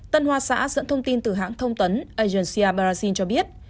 tân hoa xã dẫn thông tin từ hãng thông tấn asionsia brazil cho biết